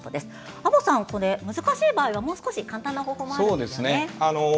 安保さん、難しい場合はもう少し簡単な方法もあるんですよね。